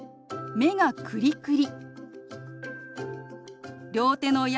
「目がクリクリ」。